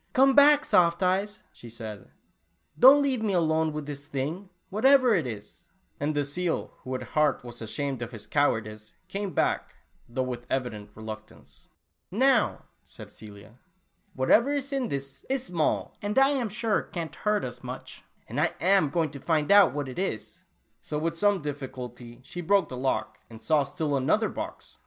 " Come back, Soft Eyes," she said, " don't leaye me all alone with this thing, whateyer it is," and the seal, who, at heart, was ashamed of his cowardice, came back, though with eyident re luctance. "Now," said Celia, "whatever is in this, is small, and I am sure can't hurt us much, and I am going to find out what it is." So with some difficulty, she broke the lock and, saw still another box